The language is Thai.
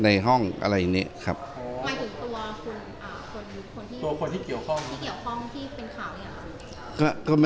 กลับมาถึงตัวคนที่เกี่ยวข้องที่เป็นข่าวอย่างไร